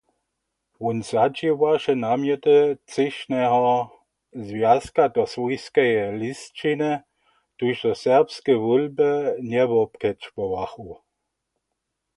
Wón zadźěłaše namjety třěšneho zwjazka do swójskeje lisćiny, tuž so serbske wólby njewobkedźbowachu.